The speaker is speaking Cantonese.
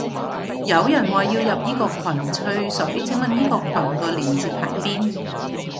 有人話要入依個羣吹水，請問依個羣個鏈接喺邊？